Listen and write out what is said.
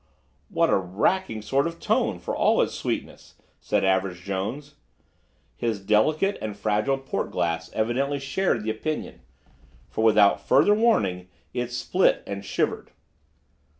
"What a racking sort of tone, for all its sweetness!" said Average Jones. His delicate and fragile port glass evidently shared the opinion, for, without further warning, it split and shivered.